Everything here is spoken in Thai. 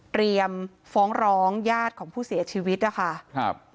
พรีกฟ้องร้องญาติของผู้เสียชีวิตนะคะอ่ะค่ะ